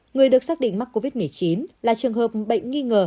người được xác định mắc covid một mươi chín là trường hợp bệnh nghi ngờ